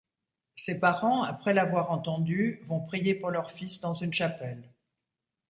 Ses parents, après l'avoir entendue, vont prier pour leur fils dans une chapelle.